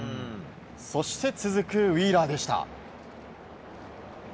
そして、続くウィーラーでした。